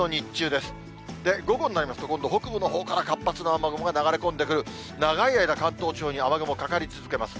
で、午後になりますと、今度、北部のほうから活発な雨雲が流れ込んでくる、長い間、関東地方に雨雲かかり続けます。